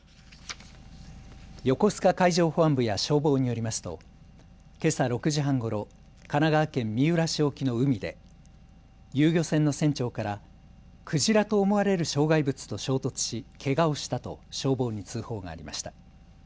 横須賀海上保安部や消防によりますとけさ６時半ごろ、神奈川県三浦市沖の海で遊漁船の船長からクジラと思われる障害物と衝突しけがをしたと消防に通報がありました。